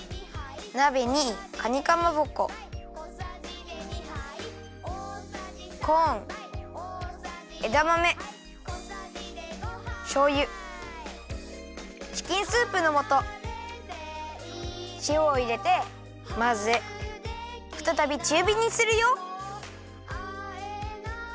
なべにかにかまぼこコーンえだまめしょうゆチキンスープのもとしおをいれてまぜふたたびちゅうびにするよ。